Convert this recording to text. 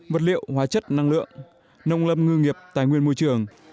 vật liệu hóa chất năng lượng nông lâm ngư nghiệp tài nguyên môi trường